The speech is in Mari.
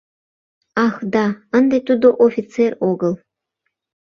Ах, да, ынде тудо офицер огыл.